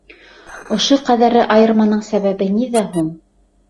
Ошо ҡәҙәре айырманың сәбәбе ниҙә һуң?